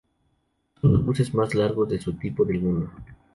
Son los buses más largos de su tipo del mundo.